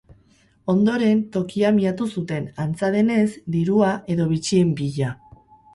Ondoren tokia miatu zuten, antza denez, dirua edo bitxien bila.